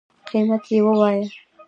قیمت یی ووایه